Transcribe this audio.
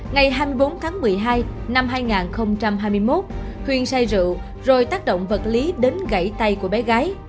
ngày hai mươi bốn tháng một mươi hai năm hai nghìn hai mươi một huyền say rượu rồi tác động vật lý đến gãy tay của bé gái